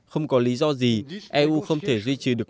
không có lý do gì eu không thể duy trì được